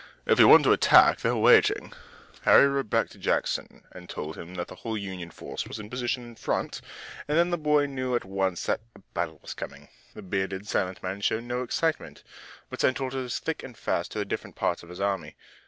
"If we want to attack they're waiting." Harry rode back to Jackson, and told him that the whole Union force was in position in front, and then the boy knew at once that a battle was coming. The bearded, silent man showed no excitement, but sent orders thick and fast to the different parts of his army.